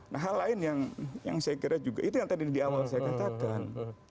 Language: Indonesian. nah hal lain yang saya kira juga itu yang tadi di awal saya katakan